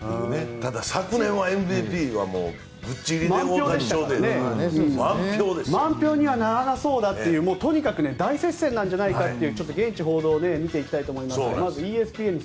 ただ昨年、ＭＶＰはぶっちぎりで満票にはならなそうだと。とにかく大接戦じゃないかという現地報道を見ていきたいと思いますが。